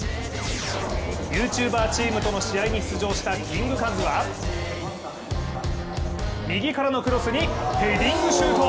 ＹｏｕＴｕｂｅｒチームとの試合に出場したキングカズは右からのクロスにヘディングシュート。